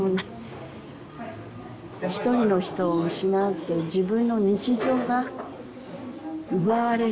一人の人を失うって自分の日常が奪われる。